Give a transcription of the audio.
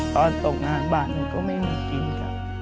ตอนตกน้ำอาจบาดหนึ่งก็ไม่มีกินค่ะ